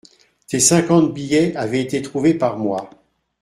Tes cinquante billets avaient été trouvés par moi.